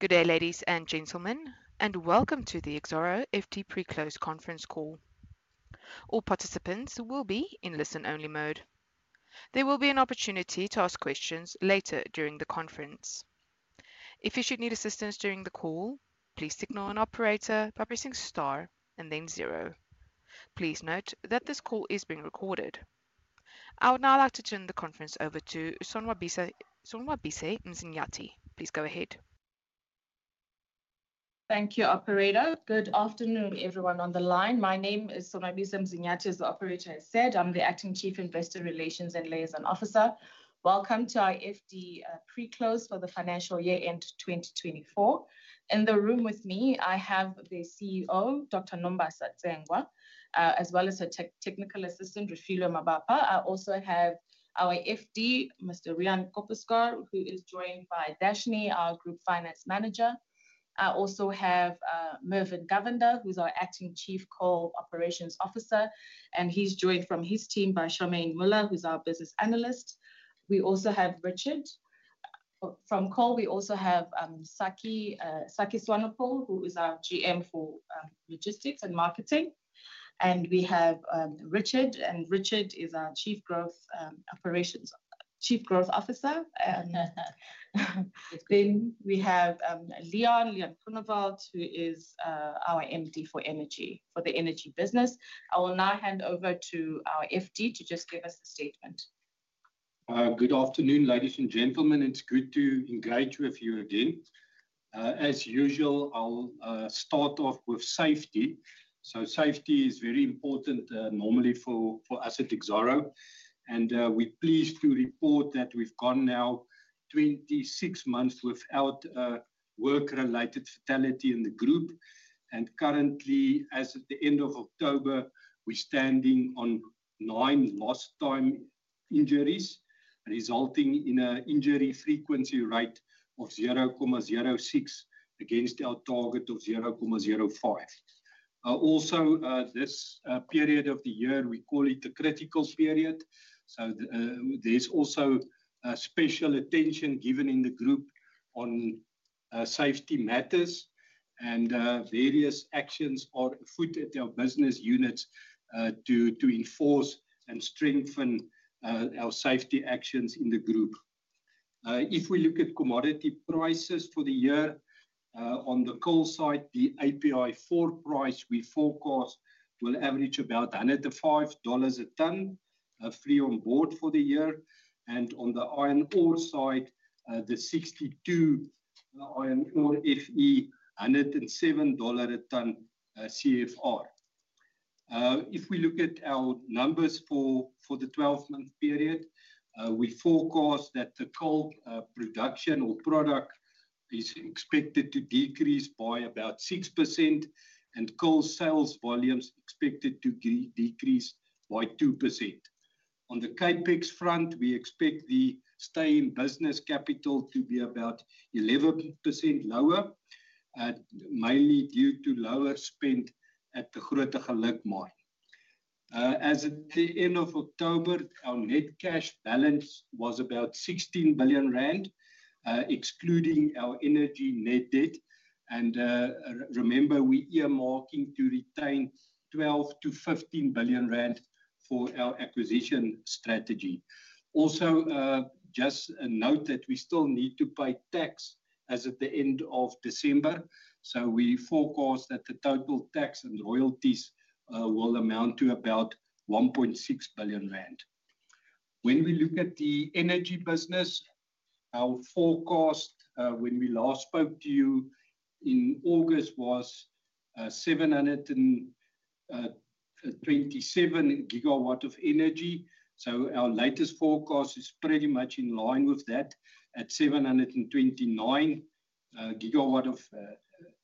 Good day, ladies and gentlemen, and welcome to the Exxaro FD Pre-Close conference call. All participants will be in listen-only mode. There will be an opportunity to ask questions later during the conference. If you should need assistance during the call, please signal an operator by pressing star and then zero. Please note that this call is being recorded. I would now like to turn the conference over to Sonwabise Mzinyathi. Please go ahead. Thank you, Operator. Good afternoon, everyone on the line. My name is Sonwabise Mzinyathi, as the operator has said. I'm the Acting Chief Investor Relations and Liaison Officer. Welcome to our FD Pre-Close for the financial year-end 2024. In the room with me, I have the CEO, Dr. Nombasa Tsengwa, as well as her technical assistant, Refilwe Mabapa. I also have our FD, Mr. Riaan Koppeschaar, who is joined by Dashni, our Group Finance Manager. I also have Mervin Govender, who's our Acting Chief Coal Operations Officer, and he's joined from his team by Sharmaine Moolla, who's our Business Analyst. We also have Richard. From coal, we also have Sakkie Swanepoel, who is our GM for Logistics and Marketing. And we have Richard, and Richard is our Chief Growth Officer. And then we have Leon, Leon Groenewald, who is our MD for Energy, for the energy business. I will now hand over to our FD to just give us a statement. Good afternoon, ladies and gentlemen. It's good to engage with you again. As usual, I'll start off with safety. So safety is very important normally for us at Exxaro. And we're pleased to report that we've gone now 26 months without work-related fatality in the group. And currently, as at the end of October, we're standing on nine lost-time injuries, resulting in an injury frequency rate of 0.06 against our target of 0.05. Also, this period of the year, we call it a critical period. So there's also special attention given in the group on safety matters, and various actions are put at our business units to enforce and strengthen our safety actions in the group. If we look at commodity prices for the year, on the coal side, the API4 price we forecast will average about $105 a ton, free on board for the year. On the iron ore side, the 62% Fe iron ore is $107 a ton CFR. If we look at our numbers for the 12-month period, we forecast that the coal production or product is expected to decrease by about 6%, and coal sales volumes expected to decrease by 2%. On the CapEx front, we expect the Stay-in-Business Capital to be about 11% lower, mainly due to lower spend at the Grootegeluk. As at the end of October, our net cash balance was about R 16 billion, excluding our energy net debt. Remember, we earmarking to retain R 12 billion-R 15 billion for our acquisition strategy. Also, just note that we still need to pay tax as of the end of December. We forecast that the total tax and royalties will amount to about R 1.6 billion. When we look at the energy business, our forecast when we last spoke to you in August was 727 GW of energy. Our latest forecast is pretty much in line with that at 729 GWh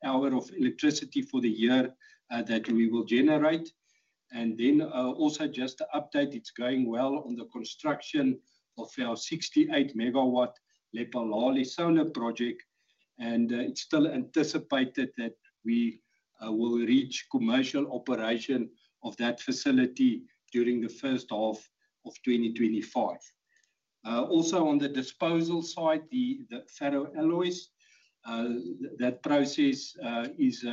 of electricity for the year that we will generate. Then also just to update, it's going well on the construction of our 68 MW Lephalale Solar Project. It's still anticipated that we will reach commercial operation of that facility during the first half of 2025. On the disposal side, the ferroalloys, that process is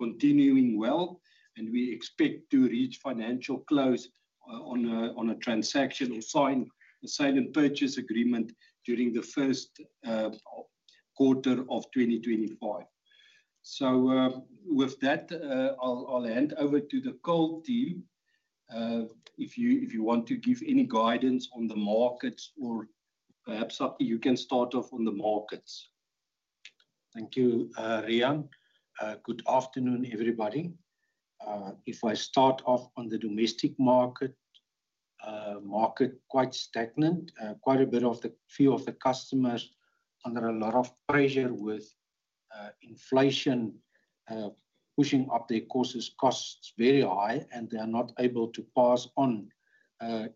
continuing well, and we expect to reach financial close on a transactionally signed purchase agreement during the first quarter of 2025. With that, I'll hand over to the coal team. If you want to give any guidance on the markets or perhaps something you can start off on the markets. Thank you, Riaan. Good afternoon, everybody. If I start off on the domestic market, quite stagnant. Quite a few of the customers under a lot of pressure with inflation pushing up their costs, costs very high, and they are not able to pass on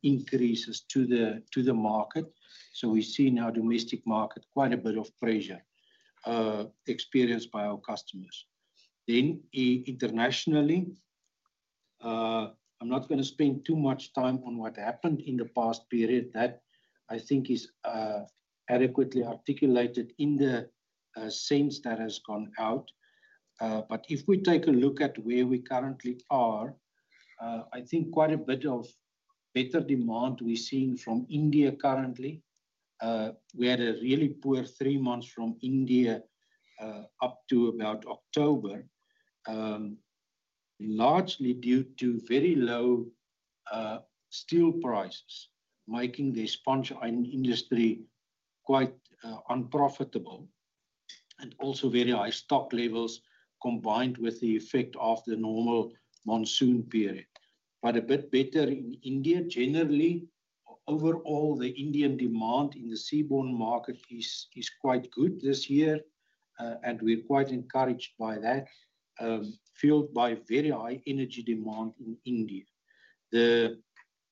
increases to the market. So we see in our domestic market quite a bit of pressure experienced by our customers. Then internationally, I'm not going to spend too much time on what happened in the past period. That I think is adequately articulated in the SENS that has gone out. But if we take a look at where we currently are, I think quite a bit of better demand we're seeing from India currently. We had a really poor three months from India up to about October, largely due to very low steel prices, making the sponge iron industry quite unprofitable, and also very high stock levels combined with the effect of the normal monsoon period. But a bit better in India. Generally, overall, the Indian demand in the seaborne market is quite good this year, and we're quite encouraged by that, fueled by very high energy demand in India. The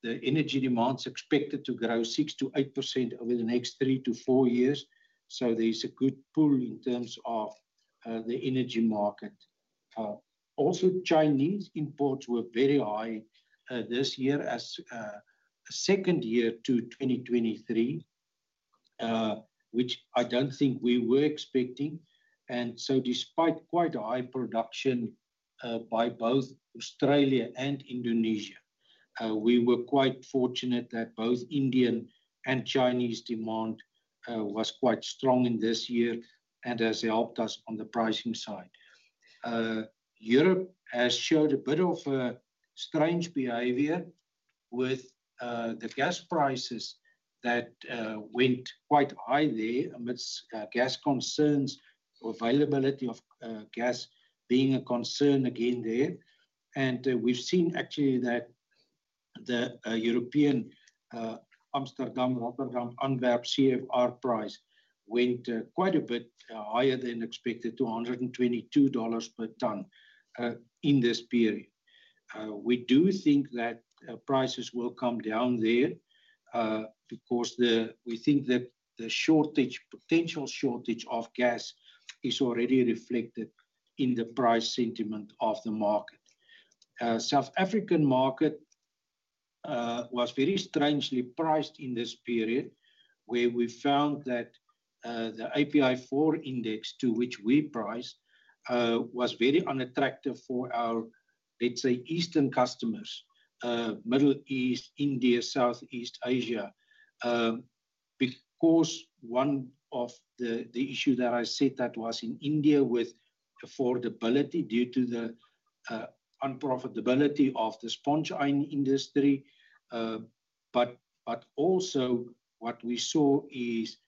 energy demand is expected to grow 6%-8% over the next three to four years. So there's a good pull in terms of the energy market. Also, Chinese imports were very high this year as a second year to 2023, which I don't think we were expecting. And so despite quite high production by both Australia and Indonesia, we were quite fortunate that both Indian and Chinese demand was quite strong in this year and has helped us on the pricing side. Europe has shown a bit of a strange behavior with the gas prices that went quite high there amidst gas concerns, availability of gas being a concern again there. And we've seen actually that the European Amsterdam-Rotterdam-Antwerp CFR price went quite a bit higher than expected, $222 per ton in this period. We do think that prices will come down there because we think that the potential shortage of gas is already reflected in the price sentiment of the market. South African market was very strangely priced in this period, where we found that the API4 index to which we price was very unattractive for our, let's say, Eastern customers, Middle East, India, Southeast Asia, because one of the issues that I said that was in India with affordability due to the unprofitability of the sponge iron industry, but also what we saw is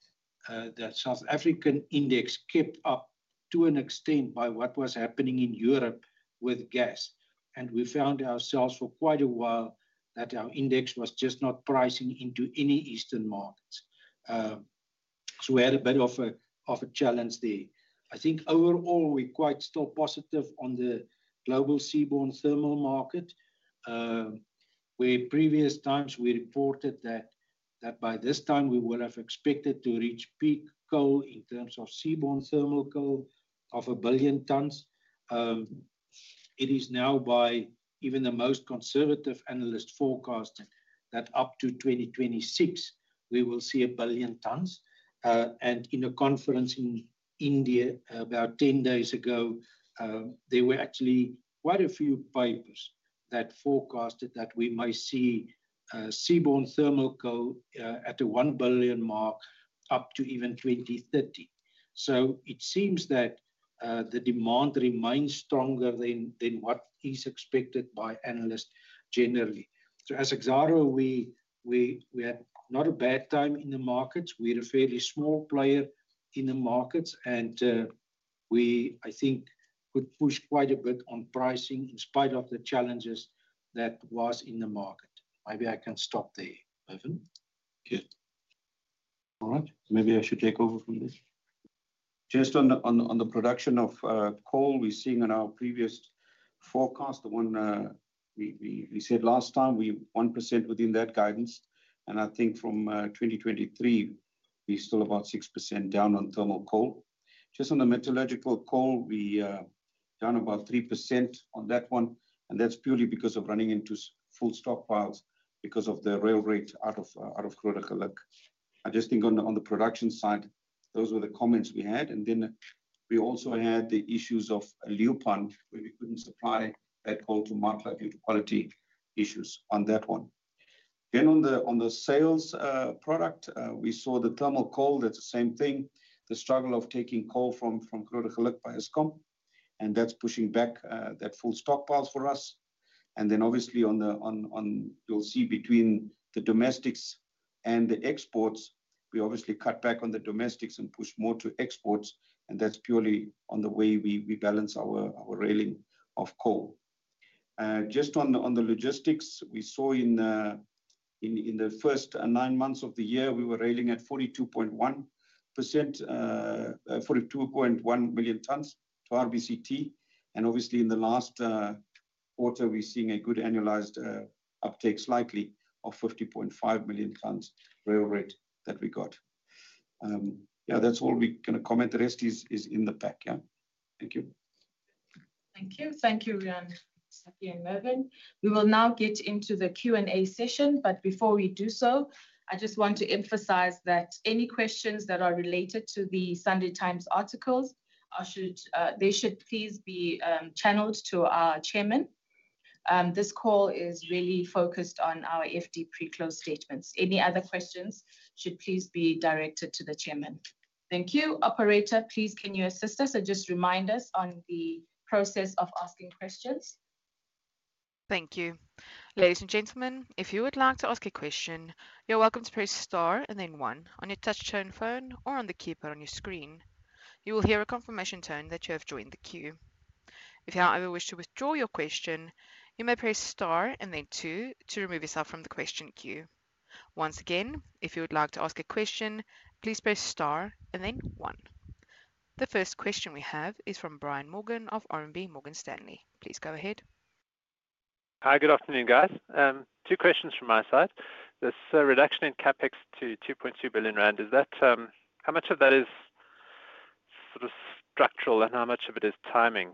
that South African index kept up, to an extent, by what was happening in Europe with gas, and we found ourselves for quite a while that our index was just not pricing into any Eastern markets, so we had a bit of a challenge there. I think overall we're quite still positive on the global seaborne thermal market. Where previous times we reported that by this time we would have expected to reach peak coal in terms of seaborne thermal coal of a billion tons. It is now by even the most conservative analyst forecasting that up to 2026 we will see a billion tons, and in a conference in India about 10 days ago, there were actually quite a few papers that forecasted that we may see seaborne thermal coal at a one billion mark up to even 2030, so it seems that the demand remains stronger than what is expected by analysts generally, so as Exxaro, we had not a bad time in the markets. We're a fairly small player in the markets, and we I think could push quite a bit on pricing in spite of the challenges that was in the market. Maybe I can stop there, Mervin. Yeah. All right. Maybe I should take over from this. Just on the production of coal, we're seeing in our previous forecast, the one we said last time, we're 1% within that guidance. I think from 2023, we're still about 6% down on thermal coal. Just on the metallurgical coal, we're down about 3% on that one. That's purely because of running into full stockpiles because of the rail rate out of Grootegeluk. I just think on the production side, those were the comments we had. Then we also had the issues of Leeuwpan, where we couldn't supply that coal to market due to quality issues on that one. On the sales product, we saw the thermal coal. That's the same thing, the struggle of taking coal from Grootegeluk by Eskom. That's pushing back that full stockpiles for us. And then obviously on the, you'll see between the domestics and the exports, we obviously cut back on the domestics and push more to exports. And that's purely on the way we balance our railing of coal. Just on the logistics, we saw in the first nine months of the year, we were railing at 42.1 million tons to RBCT. And obviously in the last quarter, we're seeing a good annualized uptake slightly of 50.5 million tons rail rate that we got. Yeah, that's all we're going to comment. The rest is in the pack. Yeah. Thank you. Thank you. Thank you, Riaan, Sakkie, and Mervin. We will now get into the Q&A session. But before we do so, I just want to emphasize that any questions that are related to the Sunday Times articles, they should please be channeled to our chairman. This call is really focused on our FD Pre-Close statements. Any other questions should please be directed to the chairman. Thank you. Operator, please, can you assist us and just remind us on the process of asking questions? Thank you. Ladies and gentlemen, if you would like to ask a question, you're welcome to press star and then one on your touch-tone phone or on the keypad on your screen. You will hear a confirmation tone that you have joined the queue. If you however wish to withdraw your question, you may press star and then two to remove yourself from the question queue. Once again, if you would like to ask a question, please press star and then one. The first question we have is from Brian Morgan of RMB Morgan Stanley. Please go ahead. Hi, good afternoon, guys. Two questions from my side. The reduction in CapEx to R 2.2 billion, how much of that is sort of structural, and how much of it is timing?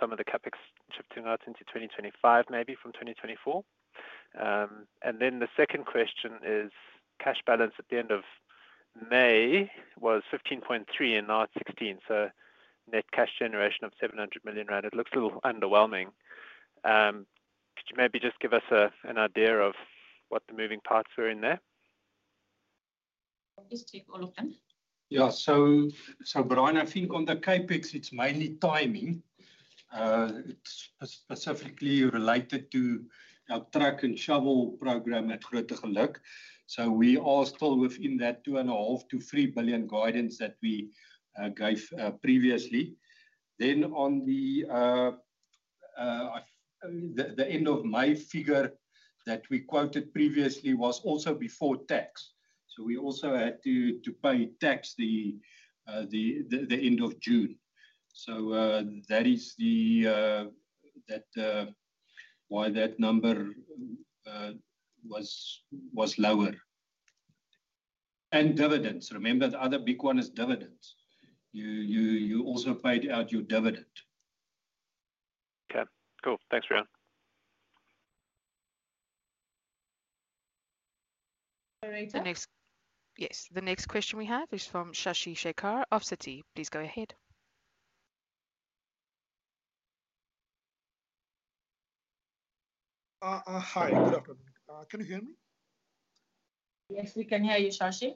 Some of the CapEx is shifting out into 2025, maybe from 2024. And then the second question is cash balance at the end of May was R 15.3 and now R 16. So net cash generation of R 700 million. It looks a little underwhelming. Could you maybe just give us an idea of what the moving parts were in there? Just take all of them. Yeah. So, Brian, I think on the CapEx, it's mainly timing. It's specifically related to our truck and shovel program at Grootegeluk. So we are still within that 2.5 billion-3 billion guidance that we gave previously. Then on the end of May figure that we quoted previously was also before tax. So we also had to pay tax the end of June. So that is why that number was lower. And dividends. Remember, the other big one is dividends. You also paid out your dividend. Okay. Cool. Thanks, Riaan. Yes. The next question we have is from Shashi Shekhar of Citi. Please go ahead. Hi. Good afternoon. Can you hear me? Yes, we can hear you, Shashi.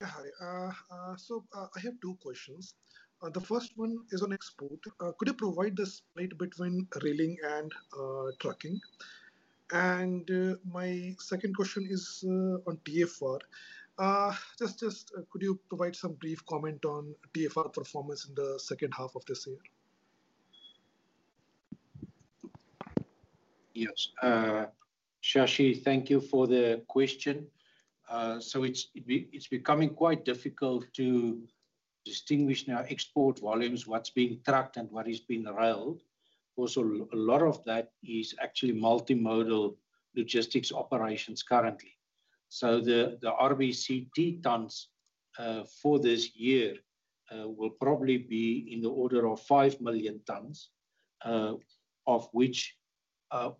Yeah. Hi. So I have two questions. The first one is on export. Could you provide the split between railing and trucking? And my second question is on TFR. Just could you provide some brief comment on TFR performance in the second half of this year? Yes. Shashi, thank you for the question. So it's becoming quite difficult to distinguish now export volumes, what's being trucked and what is being railed. Also, a lot of that is actually multimodal logistics operations currently. So the RBCT tons for this year will probably be in the order of five million tons, of which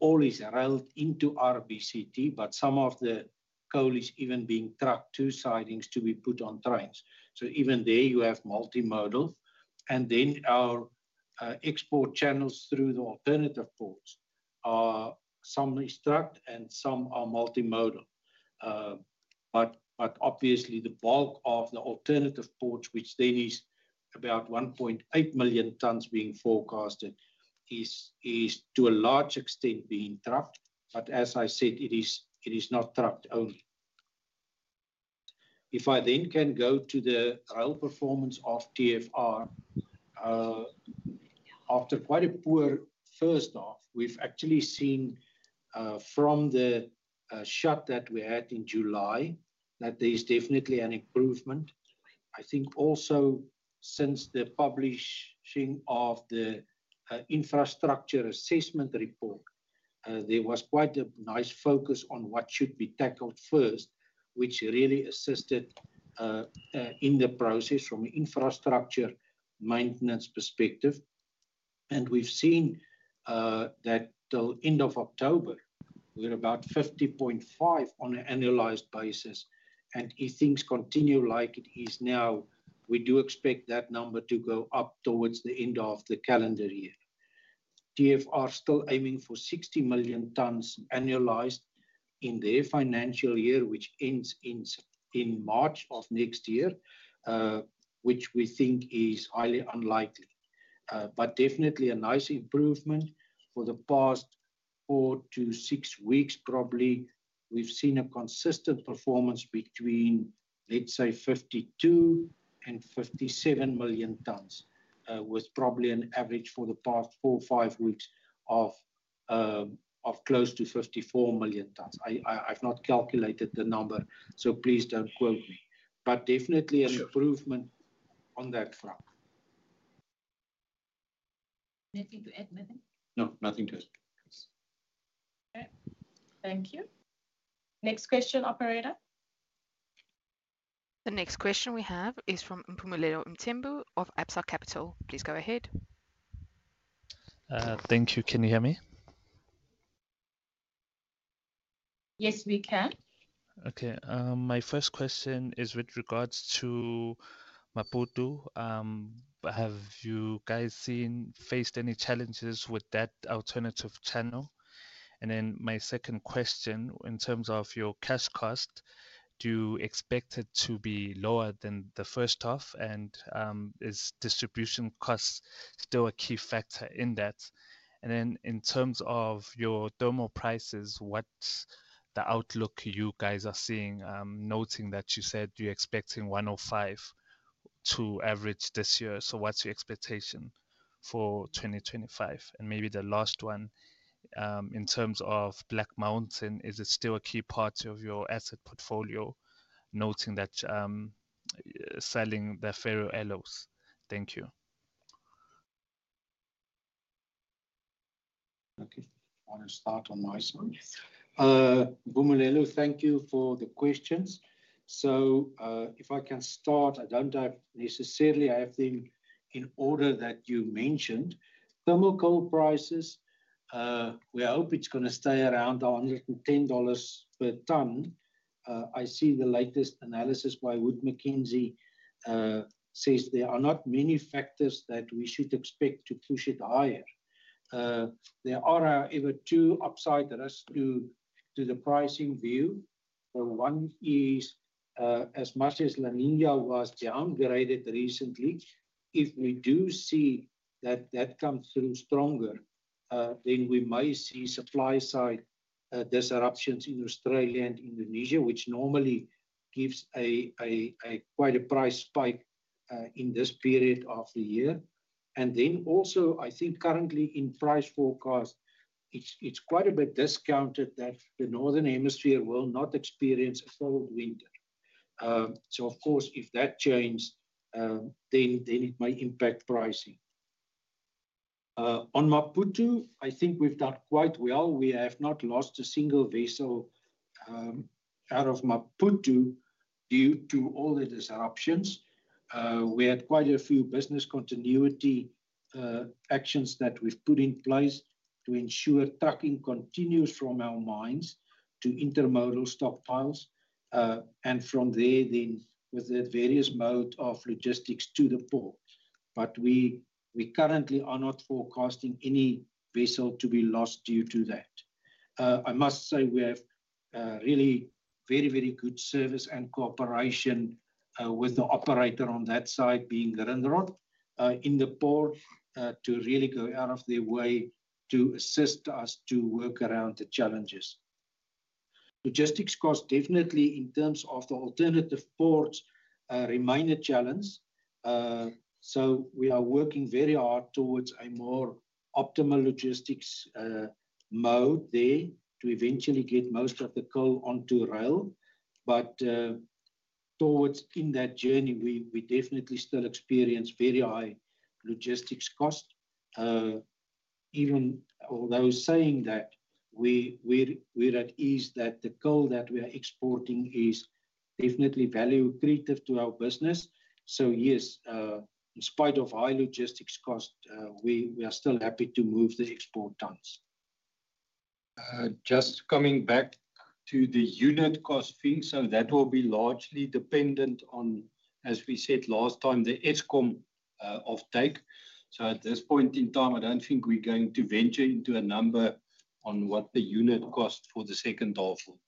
all is railed into RBCT, but some of the coal is even being trucked to sidings to be put on trains. So even there you have multimodal. And then our export channels through the alternative ports, some is trucked and some are multimodal. But obviously the bulk of the alternative ports, which then is about 1.8 million tons being forecasted, is to a large extent being trucked. But as I said, it is not trucked only. If I then can go to the rail performance of TFR, after quite a poor first half, we've actually seen from the shutdown that we had in July that there's definitely an improvement. I think also since the publishing of the infrastructure assessment report, there was quite a nice focus on what should be tackled first, which really assisted in the process from an infrastructure maintenance perspective. We've seen that till the end of October, we're about 50.5 on an annualized basis. If things continue like it is now, we do expect that number to go up towards the end of the calendar year. TFR is still aiming for 60 million tons annualized in their financial year, which ends in March of next year, which we think is highly unlikely, but definitely a nice improvement. For the past four to six weeks, probably we've seen a consistent performance between, let's say, 52 and 57 million tons, with probably an average for the past four, five weeks of close to 54 million tons. I've not calculated the number, so please don't quote me. But definitely an improvement on that front. Nothing to add, Mervin? No. Nothing to add. Okay. Thank you. Next question, Operator. The next question we have is from Mpumelelo Mthembu of Absa Capital. Please go ahead. Thank you. Can you hear me? Yes, we can. Okay. My first question is with regards to Maputo. Have you guys faced any challenges with that alternative channel? And then my second question, in terms of your cash cost, do you expect it to be lower than the first half? And is distribution costs still a key factor in that? And then in terms of your thermal prices, what's the outlook you guys are seeing, noting that you said you're expecting $105 to average this year? So what's your expectation for 2025? And maybe the last one, in terms of Black Mountain, is it still a key part of your asset portfolio, noting that selling the ferroalloys? Thank you. Okay. I want to start on my side. Mpumelelo, thank you for the questions. So if I can start, I don't necessarily have them in the order that you mentioned. Thermal coal prices, we hope it's going to stay around $110 per ton. I see the latest analysis by Wood Mackenzie says there are not many factors that we should expect to push it higher. There are, however, two upsides to the pricing view. One is, as much as La Niña was downgraded recently, if we do see that comes through stronger, then we may see supply-side disruptions in Australia and Indonesia, which normally gives quite a price spike in this period of the year. Then also, I think currently in price forecast, it's quite a bit discounted that the northern hemisphere will not experience a cold winter. So of course, if that changes, then it may impact pricing. On Maputo, I think we've done quite well. We have not lost a single vessel out of Maputo due to all the disruptions. We had quite a few business continuity actions that we've put in place to ensure trucking continues from our mines to intermodal stockpiles. And from there, then with the various modes of logistics to the port. But we currently are not forecasting any vessel to be lost due to that. I must say we have really very, very good service and cooperation with the operator on that side, being Grindrod, in the port to really go out of their way to assist us to work around the challenges. Logistics costs, definitely in terms of the alternative ports, remain a challenge. So we are working very hard towards a more optimal logistics mode there to eventually get most of the coal onto rail. But towards in that journey, we definitely still experience very high logistics costs. Even although saying that we're at ease that the coal that we are exporting is definitely value creative to our business. So yes, in spite of high logistics costs, we are still happy to move the export tons. Just coming back to the unit cost thing, so that will be largely dependent on, as we said last time, the Eskom offtake. So at this point in time, I don't think we're going to venture into a number on what the unit cost for the second half will be.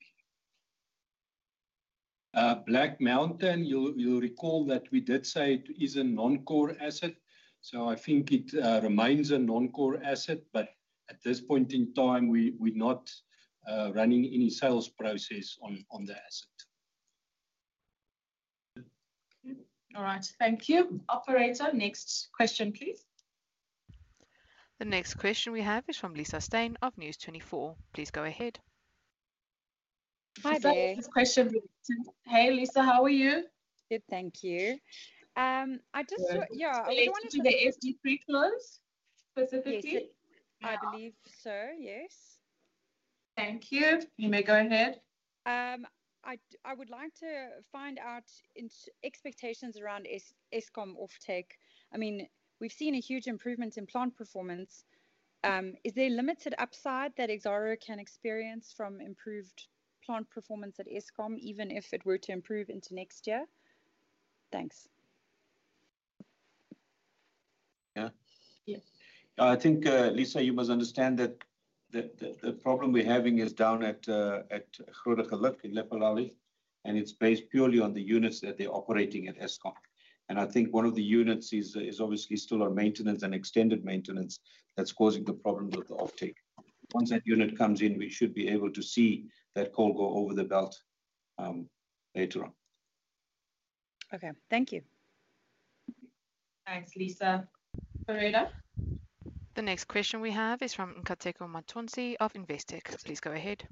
Black Mountain, you'll recall that we did say it is a non-core asset. So I think it remains a non-core asset. At this point in time, we're not running any sales process on the asset. All right. Thank you. Operator, next question, please. The next question we have is from Lisa Steyn of News24. Please go ahead. Hi, there. This question. Hey, Lisa. How are you? Good. Thank you. I just. Yes. Yeah. I wanted to. To the FD Pre-Close specifically? Yes. I believe so. Yes. Thank you. You may go ahead. I would like to find out expectations around Eskom offtake. I mean, we've seen a huge improvement in plant performance. Is there limited upside that Exxaro can experience from improved plant performance at Eskom, even if it were to improve into next year? Thanks. Yeah. I think, Lisa, you must understand that the problem we're having is down at Grootegeluk in Lephalale, and it's based purely on the units that they're operating at Eskom, and I think one of the units is obviously still on maintenance and extended maintenance that's causing the problem with the offtake. Once that unit comes in, we should be able to see that coal go over the belt later on. Okay. Thank you. Thanks, Lisa. Operator? The next question we have is from Nkateko Mathonsi of Investec. Please go ahead.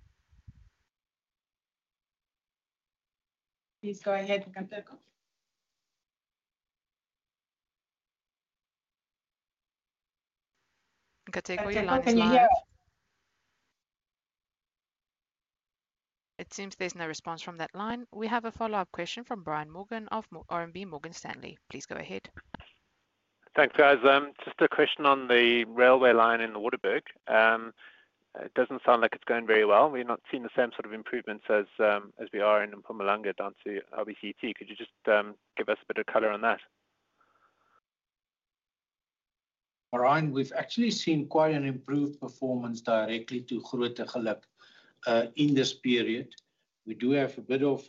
Please go ahead, Nkateko. Nkateko, you're on. Nkateko, can you hear us? It seems there's no response from that line. We have a follow-up question from Brian Morgan of RMB Morgan Stanley. Please go ahead. Thanks, guys. Just a question on the railway line in Waterberg. It doesn't sound like it's going very well. We've not seen the same sort of improvements as we are in Mpumalanga down to RBCT. Could you just give us a bit of color on that? Brian, we've actually seen quite an improved performance directly to Grootegeluk in this period. We do have a bit of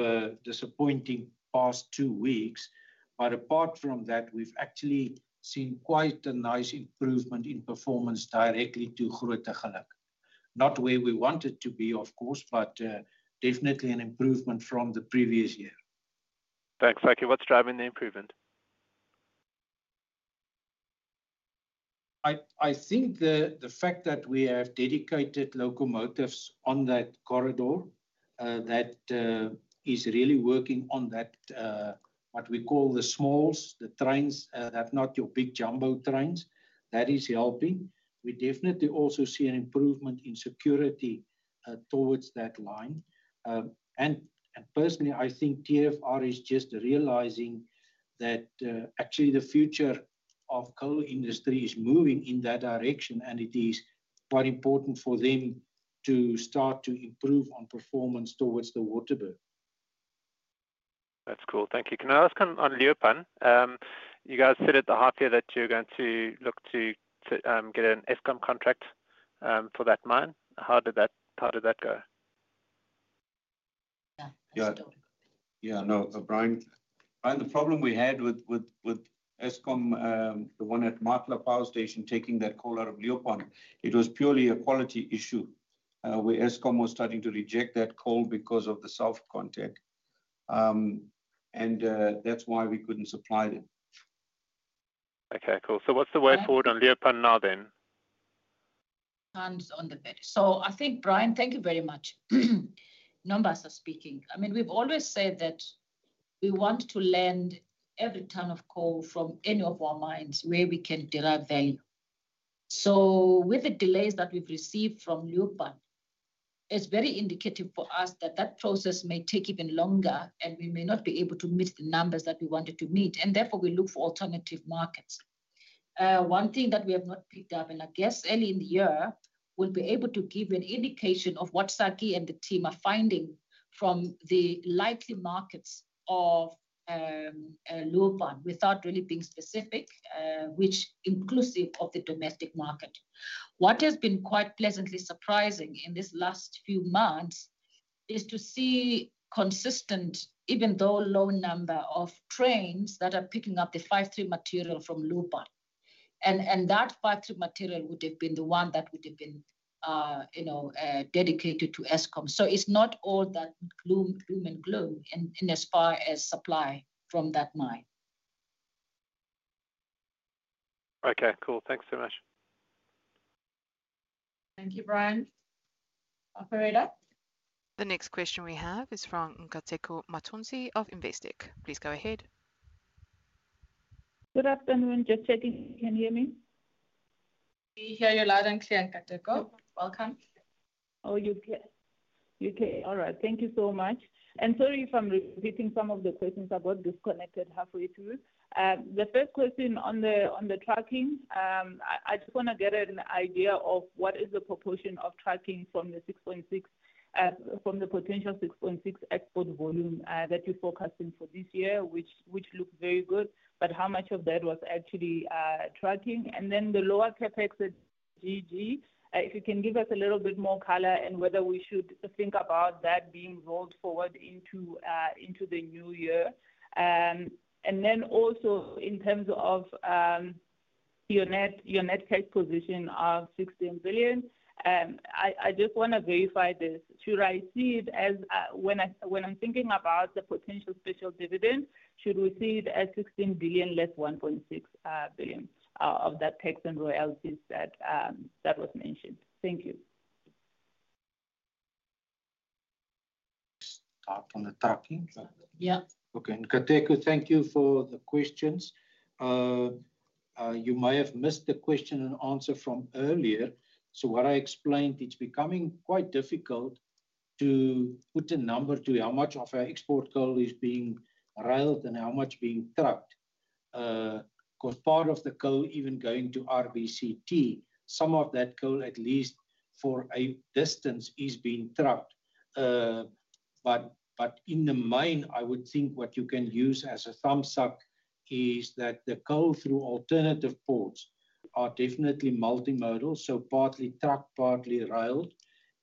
a disappointing past two weeks. But apart from that, we've actually seen quite a nice improvement in performance directly to Grootegeluk. Not where we want it to be, of course, but definitely an improvement from the previous year. Thanks. Thank you. What's driving the improvement? I think the fact that we have dedicated locomotives on that corridor that is really working on what we call the smalls, the trains, not your big jumbo trains, that is helping. We definitely also see an improvement in security towards that line. And personally, I think TFR is just realizing that actually the future of coal industry is moving in that direction, and it is quite important for them to start to improve on performance towards the Waterberg. That's cool. Thank you. Can I ask on Leeuwpan? You guys said at the half year that you're going to look to get an Eskom contract for that mine. How did that go? Yeah. Yeah. No, Brian. Brian, the problem we had with Eskom, the one at Matla Power Station taking that coal out of Leeuwpan, it was purely a quality issue where Eskom was starting to reject that coal because of the soft content. And that's why we couldn't supply them. Okay. Cool. So what's the way forward on Leeuwpan now then? So I think, Brian, thank you very much. Numbers are speaking. I mean, we've always said that we want to sell every ton of coal from any of our mines where we can derive value. So with the delays that we've received from Leeuwpan, it's very indicative for us that that process may take even longer, and we may not be able to meet the numbers that we wanted to meet. And therefore, we look for alternative markets. One thing that we have not picked up, and I guess early in the year, we'll be able to give you an indication of what Sakkie and the team are finding from the likely markets of Leeuwpan without really being specific, which is inclusive of the domestic market. What has been quite pleasantly surprising in this last few months is to see consistent, even though low number of trains that are picking up the 5-3 material from Leeuwpan. And that 5-3 material would have been the one that would have been dedicated to Eskom. So it's not all that gloom and gloom in as far as supply from that mine. Okay. Cool. Thanks so much. Thank you, Brian. Operator? The next question we have is from Nkateko Mathonsi of Investec. Please go ahead. Good afternoon. Just checking. Can you hear me? We hear you loud and clear, Nkateko. Welcome. Oh, you can. Okay. All right. Thank you so much. And sorry if I'm repeating some of the questions. I got disconnected halfway through. The first question on the tracking, I just want to get an idea of what is the proportion of tracking from the potential 6.6 export volume that you're focusing for this year, which looks very good, but how much of that was actually tracking? And then the lower CapEx at GG, if you can give us a little bit more color and whether we should think about that being rolled forward into the new year. And then also in terms of your net cap position of 16 billion, I just want to verify this. Should I see it as, when I'm thinking about the potential special dividend, should we see it as 16 billion less 1.6 billion of that tax and royalties that was mentioned? Thank you. Start on the tracking. Yeah. Okay. Nkateko, thank you for the questions. You may have missed the question and answer from earlier. So what I explained, it's becoming quite difficult to put a number to how much of our export coal is being railed and how much being trucked. Because part of the coal even going to RBCT, some of that coal, at least for a distance, is being trucked. But in my mind, I would think what you can use as a rule of thumb is that the coal through alternative ports are definitely multimodal, so partly trucked, partly railed.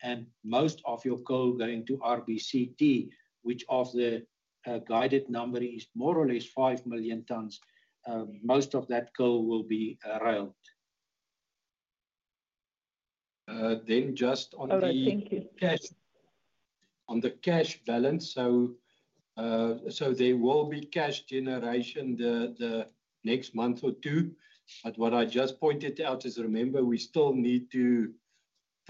And most of your coal going to RBCT, which of the guided number is more or less 5 million tons, most of that coal will be railed. Then just on the. All right. Thank you. Cash. On the cash balance, so there will be cash generation the next month or two. But what I just pointed out is, remember, we still need to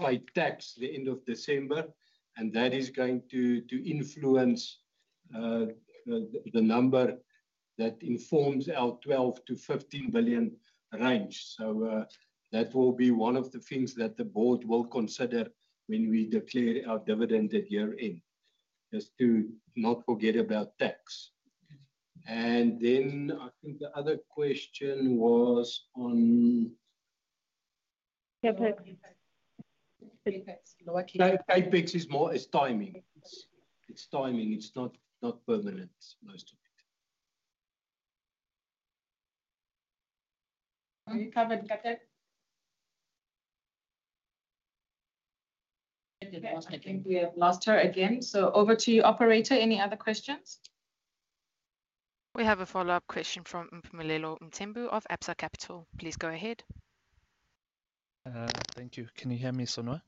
pay tax the end of December, and that is going to influence the number that informs our 12 billion-15 billion range. So that will be one of the things that the board will consider when we declare our dividend at year-end, just to not forget about tax. And then I think the other question was on. Capex. Capex. CapEx is timing. It's timing. It's not permanent, most of it. Are you covered, Nkateko? I think we have lost her again. So over to you, Operator. Any other questions? We have a follow-up question from Mpumelelo Mthembu of Absa Capital. Please go ahead. Thank you. Can you hear me, Sonwabise?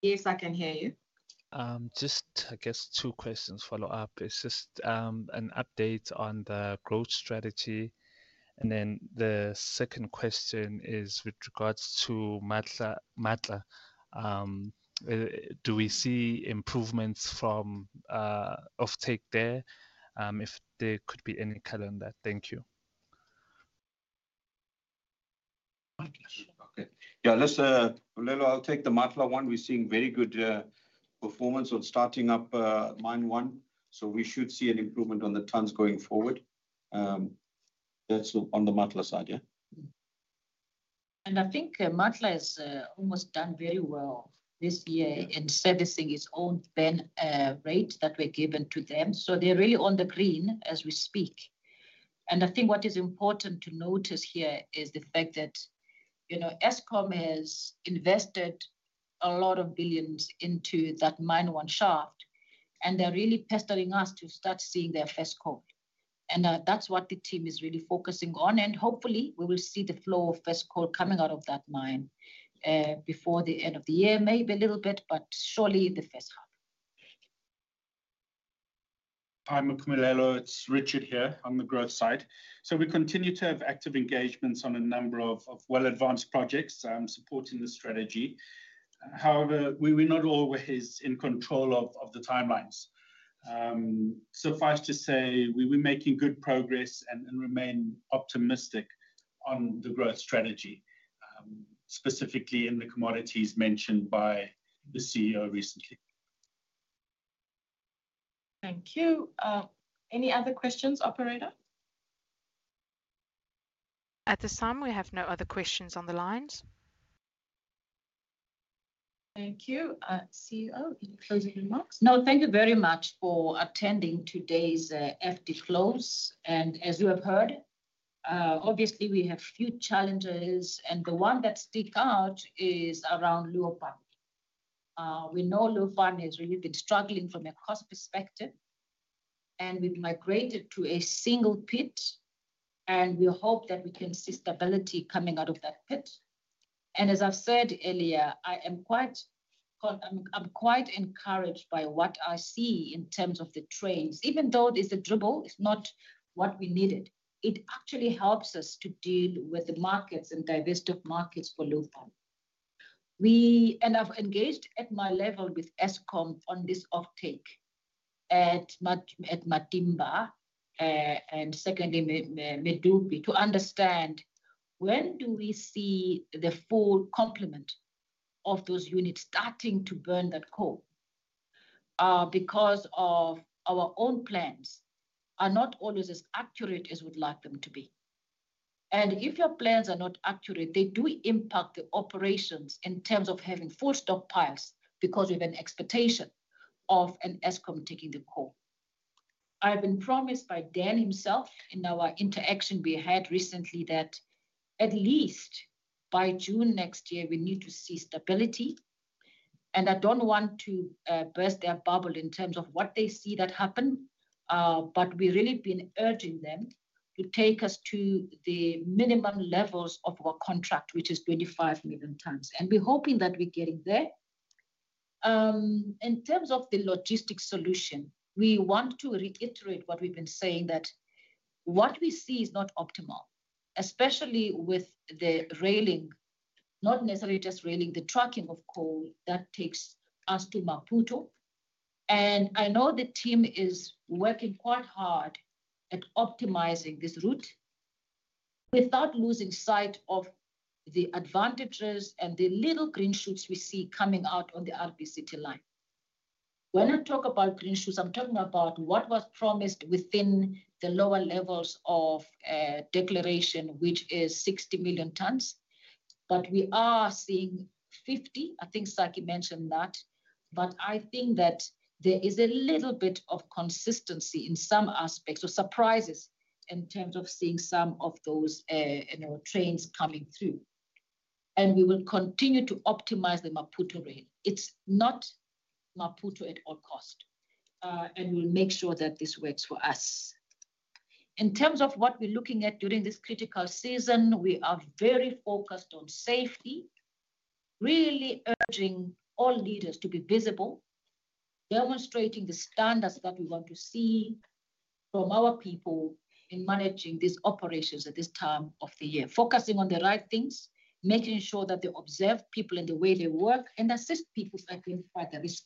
Yes, I can hear you. Just, I guess, two follow-up questions. It's just an update on the growth strategy. And then the second question is with regards to Matla. Do we see improvements from offtake there? If there could be any color on that, thank you. Okay. Yeah. Mpumelelo, I'll take the Matla one. We're seeing very good performance on starting up mine one. So we should see an improvement on the tons going forward. That's on the Matla side, yeah? And I think Matla is almost done very well this year in servicing its own rate that we're given to them. So they're really on the green as we speak. And I think what is important to notice here is the fact that Eskom has invested a lot of billions into that mine one shaft, and they're really pestering us to start seeing their first coal. And that's what the team is really focusing on. And hopefully, we will see the flow of first coal coming out of that mine before the end of the year, maybe a little bit, but surely in the first half. Hi, Mpumelelo. It's Richard here on the growth side. So we continue to have active engagements on a number of well-advanced projects supporting the strategy. However, we're not always in control of the timelines. Suffice to say, we're making good progress and remain optimistic on the growth strategy, specifically in the commodities mentioned by the CEO recently. Thank you. Any other questions, Operator? At this time, we have no other questions on the lines. Thank you. CEO, any closing remarks? No, thank you very much for attending today's FD pre-close. And as you have heard, obviously, we have a few challenges. And the one that sticks out is around Leeuwpan. We know Leeuwpan has really been struggling from a cost perspective. And we've migrated to a single pit. And we hope that we can see stability coming out of that pit. And as I've said earlier, I am quite encouraged by what I see in terms of the trains. Even though it's a dribble, it's not what we needed, it actually helps us to deal with the markets and diversity of markets for Leeuwpan. We have engaged at my level with Eskom on this offtake at Matimba and secondly, Medupi, to understand when do we see the full complement of those units starting to burn that coal because our own plans are not always as accurate as we'd like them to be. And if your plans are not accurate, they do impact the operations in terms of having full stockpiles because we have an expectation of an Eskom taking the coal. I've been promised by Dan himself in our interaction we had recently that at least by June next year, we need to see stability. And I don't want to burst their bubble in terms of what they see that happen, but we're really being urging them to take us to the minimum levels of our contract, which is 25 million tons. And we're hoping that we're getting there. In terms of the logistics solution, we want to reiterate what we've been saying, that what we see is not optimal, especially with the rail and, not necessarily just rail and, the trucking of coal that takes us to Maputo, and I know the team is working quite hard at optimizing this route without losing sight of the advantages and the little green shoots we see coming out on the RBCT line. When I talk about green shoots, I'm talking about what was promised within the lower levels of declaration, which is 60 million tons, but we are seeing 50. I think Sakkie mentioned that, but I think that there is a little bit of consistency in some aspects or surprises in terms of seeing some of those trains coming through, and we will continue to optimize the Maputo rail. It's not Maputo at all costs. We'll make sure that this works for us. In terms of what we're looking at during this critical season, we are very focused on safety, really urging all leaders to be visible, demonstrating the standards that we want to see from our people in managing these operations at this time of the year, focusing on the right things, making sure that they observe people in the way they work, and assist people to identify the risk.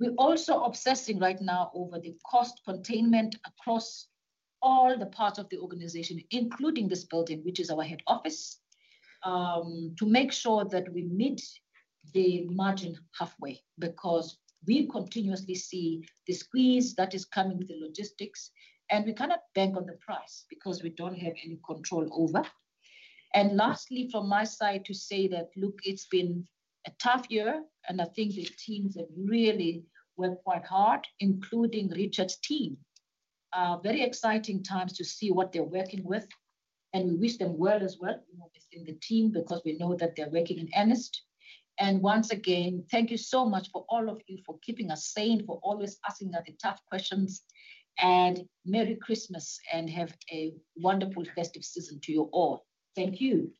We're also obsessing right now over the cost containment across all the parts of the organization, including this building, which is our head office, to make sure that we meet the margin halfway because we continuously see the squeeze that is coming with the logistics, and we cannot bank on the price because we don't have any control over. And lastly, from my side to say that, look, it's been a tough year, and I think the teams have really worked quite hard, including Richard's team. Very exciting times to see what they're working with. And we wish them well as well within the team because we know that they're working in earnest. And once again, thank you so much for all of you for keeping us sane, for always asking us the tough questions. And Merry Christmas and have a wonderful festive season to you all. Thank you.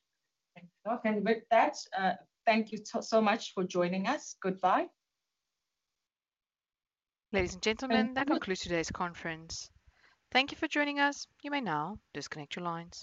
Thank you so much. With that, thank you so much for joining us. Goodbye. Ladies and gentlemen, that concludes today's conference. Thank you for joining us. You may now disconnect your lines.